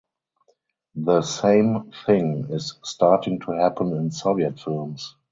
The same thing is starting to happen in Soviet films.